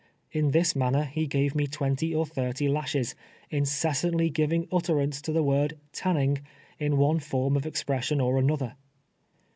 In this manner he gave me twenty or thirty lashes, inccs santlv ^rivini): utterance to the word " tannine;," in one form of expression or another.